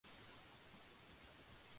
Los sexos son similares en apariencia.